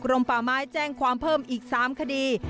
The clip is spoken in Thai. ป่าไม้แจ้งความเพิ่มอีก๓คดี